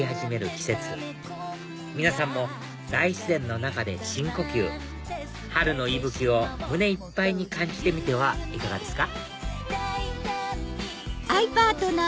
季節皆さんも大自然の中で深呼吸春の息吹を胸いっぱいに感じてみてはいかがですか？